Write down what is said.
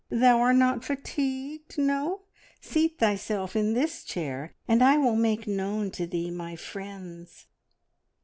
Thou are not fatigued no? Seat thyself in this chair, and I will make known to thee my friends."